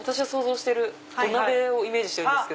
土鍋をイメージしてるんです